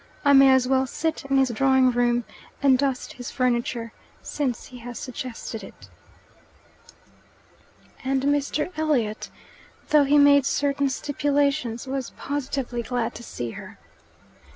I may as well sit in his drawing room and dust his furniture, since he has suggested it." And Mr. Elliot, though he made certain stipulations, was positively glad to see her.